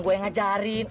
gua yang ngajarin